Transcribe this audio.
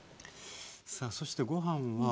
さあそしてご飯は。